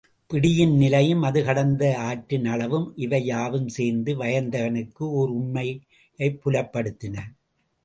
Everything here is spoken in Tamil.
பிடியின் நிலையும் அது கடந்த ஆற்றின் அளவும் இவை யாவும் சேர்ந்து, வயந்தகனுக்கு ஓருண்மையைப் புலப்படுத்தின.